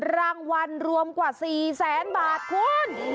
รางวัลรวมกว่า๔แสนบาทคุณ